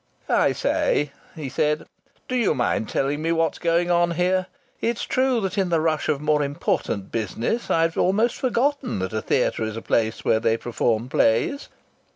"I say," he said. "Do you mind telling me what's going on here? It's true that in the rush of more important business I'd almost forgotten that a theatre is a place where they perform plays."